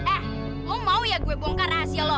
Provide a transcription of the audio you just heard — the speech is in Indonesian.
eh mau mau ya gue bongkar rahasia lo